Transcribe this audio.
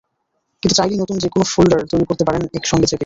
কিন্তু চাইলেই নতুন যেকোনো ফোল্ডার তৈরি করতে পারেন একসঙ্গে চেপেই।